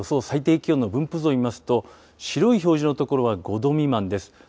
最低気温の分布図を見ますと、白い表示の所は５度未満です。